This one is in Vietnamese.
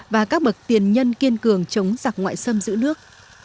và các bậc tiền nhân kiên cường chống giặc ngoại xâm giữ nước